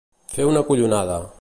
Fer una collonada.